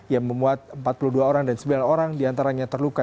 yang memuat empat puluh dua orang dan sembilan orang diantaranya terluka